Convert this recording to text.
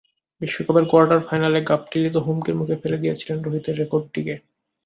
বিশ্বকাপের কোয়ার্টার ফাইনালে গাপটিলই তো হুমকির মুখে ফেলে দিয়েছিলেন রোহিতের রেকর্ডটিকে।